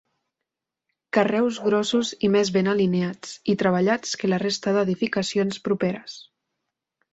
Carreus grossos i més ben alineats i treballats que la resta d'edificacions properes.